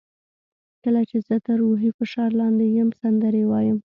کله چې زه تر روحي فشار لاندې یم سندرې وایم.